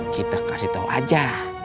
kita kasih tau aja